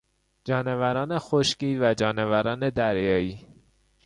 جانوران خشکی و جانوران دریایی